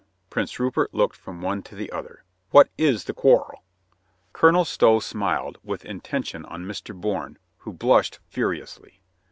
Prince Rupert looked from one to the other. "What is the quarrel ?" Colonel Stow smiled with intention on Mr. Bourne, who blushed furiously.